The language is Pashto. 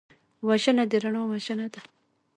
وژنه د رڼا وژنه ده